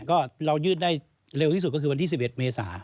ก็เรายืดได้เร็วที่สุดก็คือวันที่๑๑เมษา